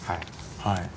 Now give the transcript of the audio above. はい。